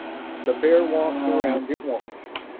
The pair walked around it once.